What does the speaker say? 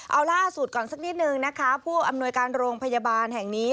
เอาล่าสุดก่อนสักนิดนึงนะคะผู้อำนวยการโรงพยาบาลแห่งนี้